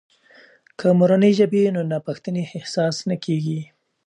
که مورنۍ ژبه وي، نو ناپښتنې احساس نه کیږي.